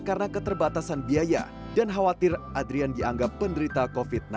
karena keterbatasan biaya dan khawatir adrian dianggap penderita covid sembilan belas